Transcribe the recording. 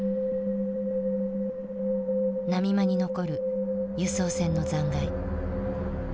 波間に残る輸送船の残骸。